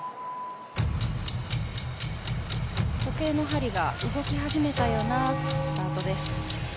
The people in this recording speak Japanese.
時計の針が動き始めたようなスタートです。